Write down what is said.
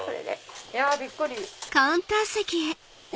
いやびっくり！